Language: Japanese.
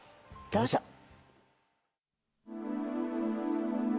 どうぞ。